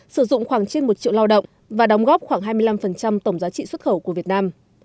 sử dụng khoảng trên một triệu lao động và đóng góp khoảng hai mươi năm tổng giá trị xuất khẩu của việt nam